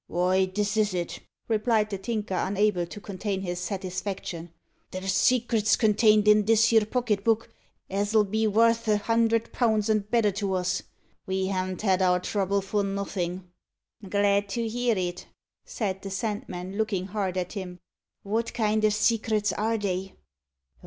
"Vy, this is it," replied the Tinker, unable to contain his satisfaction; "there's secrets contained in this here pocket book as'll be worth a hundred pound and better to us. We ha'n't had our trouble for nuffin'." "Glad to hear it!" said the Sandman, looking hard at him. "Wot kind o' secrets are they?"